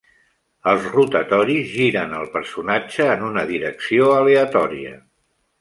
Els rotatoris giren el personatge en una direcció aleatòria.